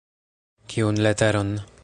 Kiun leteron?